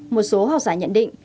một số học giả nhận định